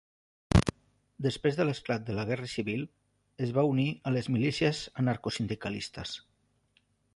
Després de l'esclat de la Guerra civil es va unir a les milícies anarcosindicalistes.